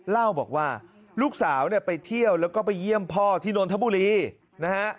เล่าบอกว่าลูกสาวเนี่ยไปเที่ยวแล้วก็ไปเยี่ยมพ่อที่นนทบุรีนะฮะ